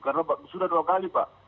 karena sudah dua kali pak